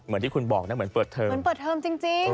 เหมือนที่คุณบอกนะเหมือนเปิดเทอมเหมือนเปิดเทอมจริง